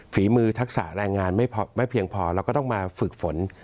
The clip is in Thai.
ฝีมือทักษะแรงงานไม่เพียงพอเราก็ต้องมาฝึกฝน